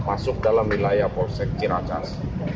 masuk dalam wilayah polsek ciracas